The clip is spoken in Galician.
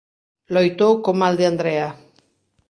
Loitou co mal de Andrea.